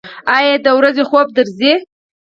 ایا د ورځې خوب درځي؟